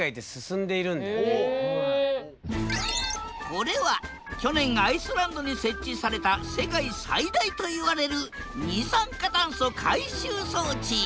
これは去年アイスランドに設置された世界最大といわれる二酸化炭素回収装置。